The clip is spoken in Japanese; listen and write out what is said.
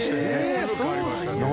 すぐ変わりましたね。